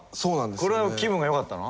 これは気分がよかったの？